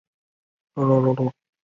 曾平定宕昌羌之乱。